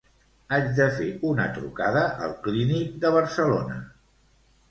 Haig de fer una trucada al Clínic de Barcelona.